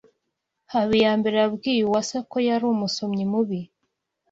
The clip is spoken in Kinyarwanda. Habiyambere yabwiye Uwase ko yari umusomyi mubi.